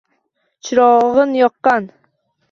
Chirog’in yoqqan.